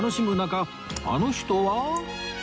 あの人は